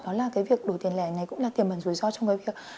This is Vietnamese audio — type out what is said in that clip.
đó là việc đổi tiền lẻ này cũng là tiềm mẩn rủi ro trong cái việc